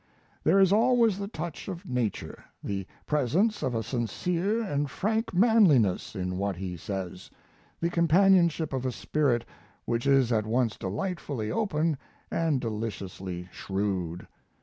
There is always the touch of nature, the presence of a sincere and frank manliness in what he says, the companionship of a spirit which is at once delightfully open and deliciously shrewd.